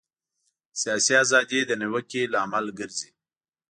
سیاسي ازادي د نیوکې لامل ګرځي.